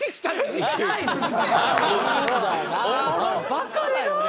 バカだよね。